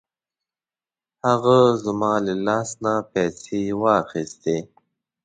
هغه زما له لاس نه پیسې واخیستې.